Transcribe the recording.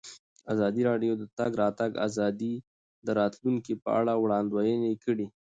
ازادي راډیو د د تګ راتګ ازادي د راتلونکې په اړه وړاندوینې کړې.